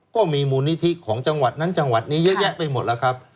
ก็มีมูลนิธิของจังหวัดนั้นจังหวัดนี้เยอะแยะไปหมดแล้วครับ